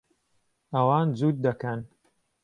ئەوان جووت دەکەن.